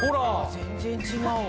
全然違うわ。